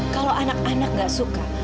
kalau anak anak gak suka